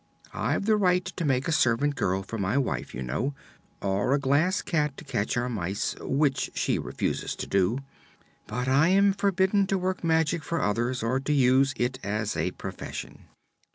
I've the right to make a servant girl for my wife, you know, or a Glass Cat to catch our mice which she refuses to do but I am forbidden to work magic for others, or to use it as a profession."